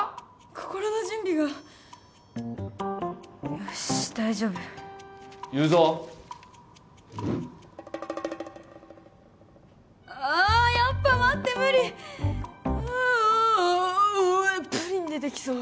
心の準備がよし大丈夫言うぞあやっぱ待って無理あオエップリン出てきそう